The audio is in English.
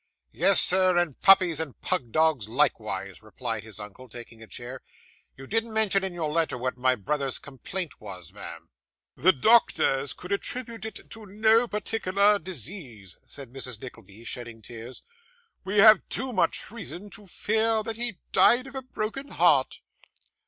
'Yes, sir, and puppies, and pug dogs likewise,' replied his uncle, taking a chair. 'You didn't mention in your letter what my brother's complaint was, ma'am.' 'The doctors could attribute it to no particular disease,' said Mrs Nickleby; shedding tears. 'We have too much reason to fear that he died of a broken heart.